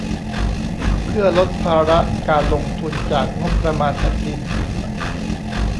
เพื่อลดภาระการลงทุนจากงบประมาณแผ่นดิน